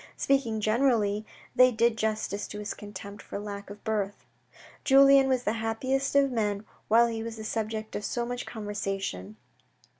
Speaking generally, they did justice to his contempt for lack of birth. Julien was the happiest of men, while he was the subject of so much conversation.